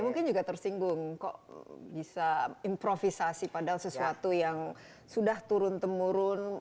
mungkin juga tersinggung kok bisa improvisasi padahal sesuatu yang sudah turun temurun